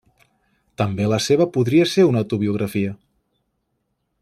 També la seva podria ser una autobiografia.